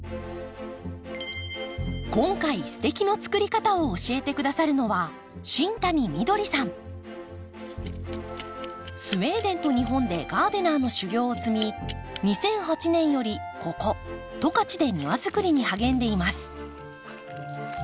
今回「すてき！の作り方」を教えてくださるのはスウェーデンと日本でガーデナーの修業を積み２００８年よりここ十勝で庭づくりに励んでいます。